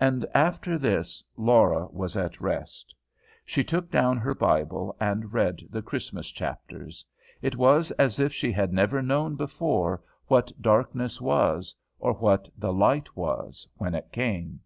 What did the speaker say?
And after this Laura was at rest. She took down her Bible, and read the Christmas chapters. It was as if she had never known before what darkness was, or what the Light was, when it came.